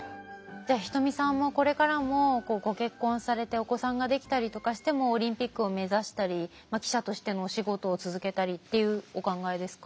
じゃあ人見さんもこれからもご結婚されてお子さんができたりとかしてもオリンピックを目指したり記者としてのお仕事を続けたりっていうお考えですか？